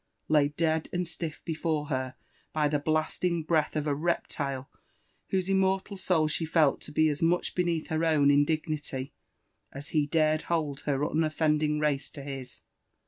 laid dead and aiiff before her by the Uaatiog breafth of a reptile whose inmertal soul shefeltto be as mudi beneath her own in dignity, as he darod hold her BneffBodiag raoe to his.